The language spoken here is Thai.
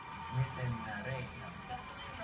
ข้อมูลเข้ามาดูครับ